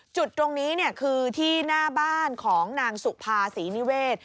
จุดตรงนี้คือที่หน้าบ้านของนางสุภาษีนิเวศ